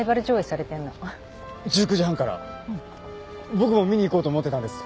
僕も見に行こうと思ってたんです。